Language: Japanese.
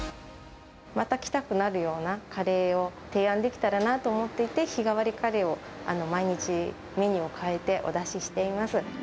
また来たくなるようなカレーを提案できたらなと思っていて、日替わりカレーを毎日メニューを変えて、お出ししています。